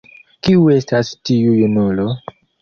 Kiu estas tiu junulo?